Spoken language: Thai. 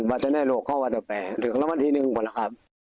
แบบวันที่หนึ่งหมดลังมานะครับ